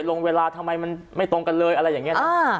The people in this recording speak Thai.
ลงเวลาทำไมมันไม่ตรงกันเลยอะไรอย่างนี้นะ